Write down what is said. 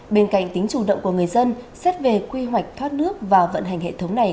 bên cạnh tính chủ động của người dân xét về quy hoạch thoát nước và vận hành hệ thống này